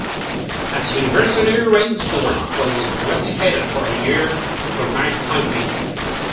At university Raynsford was rusticated for a year for night climbing.